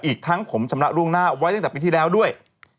อีกทั้งผมชำระล่วงหน้าไว้ตั้งแต่ปีที่แล้วด้วย